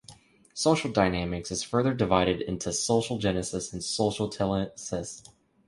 Social dynamics is further divided into social genesis and social telesis.